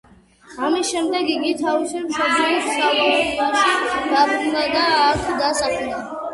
ამის შემდეგ იგი თავის მშობლიურ სავოიაში დაბრუნდა და აქ დასახლდა.